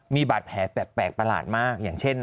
มีบัตรแผลแปลกประหลาดมาก